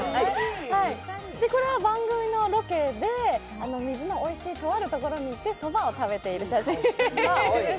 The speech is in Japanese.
これは番組のロケで水のおいしいとあるところに行ってそばを食べてる写真です。